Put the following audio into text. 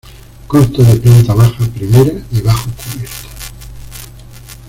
Consta de planta baja, primera y bajocubierta.